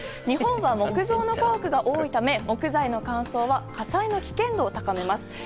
日本は木造の家屋が多いため木材の乾燥は火災の危険度を高めます。